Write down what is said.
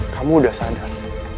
kamu sudah sadar